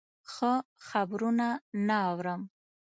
ښه خبرونه نه اورم.